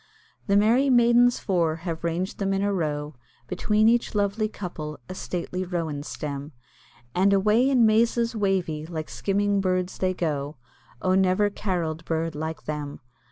The merry maidens four have ranged them in a row, Between each lovely couple a stately rowan stem, And away in mazes wavy, like skimming birds they go, Oh, never caroll'd bird like them!